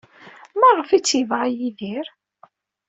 Maɣef ay tt-yebɣa Yidir?